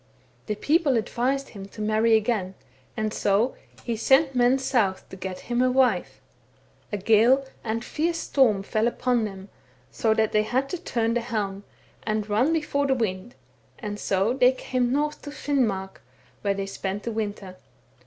The people advised him to marry again, and so he sent men south to get him a wife. A gale and fierce storm fell upon them, so that they had to turn the helm, and run before the wind, and so they came north to Finnmark, where they spent the winter.